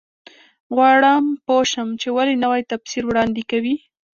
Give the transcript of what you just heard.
غواړم پوه شم چې ولې نوی تفسیر وړاندې کوي.